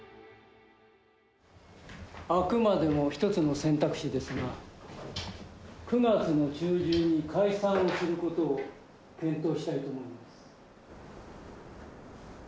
あくまでも一つの選択肢ですが、９月の中旬に解散をすることを検討したいと思います。